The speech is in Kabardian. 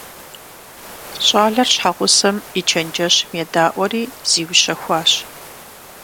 ЩӀалэр щхьэгъусэм и чэнджэщым едаӀуэри зиущэхуащ.